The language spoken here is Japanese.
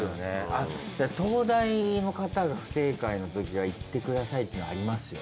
東大の方が不正解の時は言ってくださいっていうのありますよ。